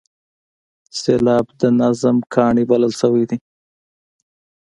سېلاب د نظم کاڼی بلل شوی دی.